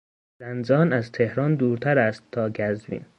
زنجان از تهران دورتر است تا قزوین.